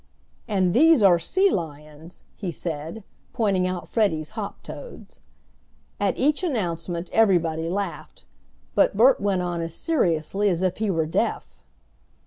"And these are sea lions," he said, pointing out Freddie's hop toads. At each announcement everybody laughed, but Bert went on as seriously as if he were deaf.